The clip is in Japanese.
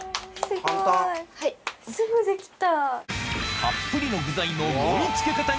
すぐできた。